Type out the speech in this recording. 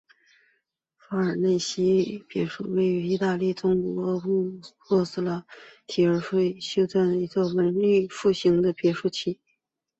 法尔内西纳别墅是位于意大利中部罗马特拉斯提弗列的一座修建于文艺复兴时期的别墅。